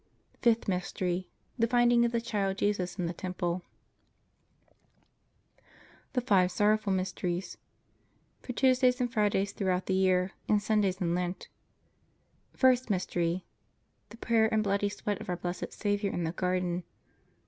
Fifth Mystery. The Finding of the Child Jesus in the Temple. THE FIVE SORROWFUL MYSTERIES (For Tuesdays and Fridays throughout the year, and Sundays in Lent.) First Mystery. The Prayer and Bloody Sweat of our blessed Saviour in the Garden.